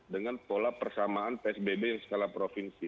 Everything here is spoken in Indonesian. dengan pola persamaan psbb yang skala provinsi